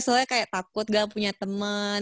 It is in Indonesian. soalnya kayak takut gak punya teman